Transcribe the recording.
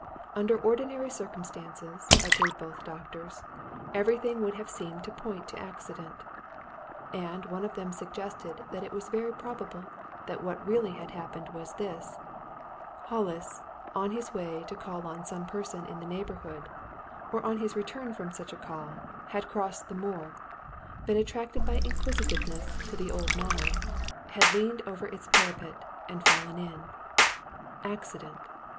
Under ordinary circumstances, agreed both doctors, everything would have seemed to point to accident. And one of them suggested that it was very probable that what really had happened was this Hollis, on his way to call on some person in the neighbourhood, or on his return from such a call, had crossed the moor, been attracted by inquisitiveness to the old mine, had leaned over its parapet, and fallen in. Accident!